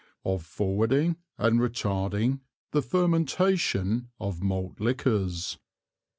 Of forwarding and retarding the fermentation of malt Liquors.